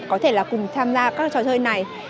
có thể là cùng tham gia các trò chơi này